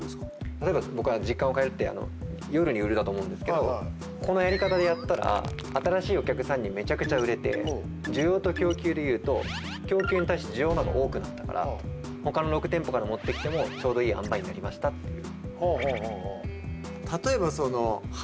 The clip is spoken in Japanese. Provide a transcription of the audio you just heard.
例えば時間を変えるって夜に売るだと思うんですけどこのやり方でやったら新しいお客さんにめちゃくちゃ売れて需要と供給で言うと供給に対して需要の方が多くなったからほかの６店舗が持ってきてもちょうどいい塩梅になりましたっていう。